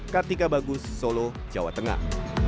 kartika bagus solo jawa tengah